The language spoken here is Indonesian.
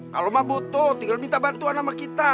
kalau mah butuh tinggal minta bantuan sama kita